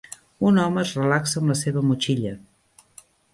Un home es relaxa amb la seva motxilla.